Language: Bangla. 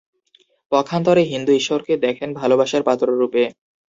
পক্ষান্তরে হিন্দু ঈশ্বরকে দেখেন ভালবাসার পাত্ররূপে।